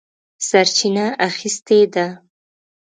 سرچینه اخیستې ده.